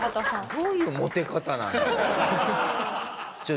どういうモテ方なんだよこれ。